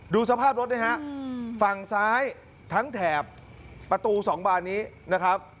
สภาพรถนี่ฮะฝั่งซ้ายทั้งแถบประตู๒บานนี้นะครับ